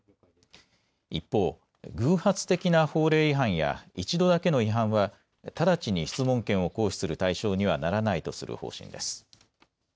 一方、偶発的な法令違反や１度だけの違反は直ちに質問権を行使する対象にはならないとする方針です。